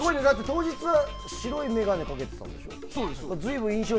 当日白縁眼鏡をかけてたんでしょ。